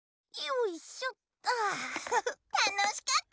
よいしょっ。